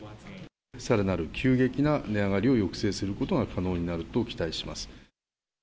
さらなる急激な値上がりを抑制することが可能になると期待します。